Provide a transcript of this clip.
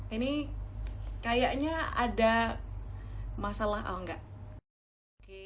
ini kayaknya ada masalah oh enggak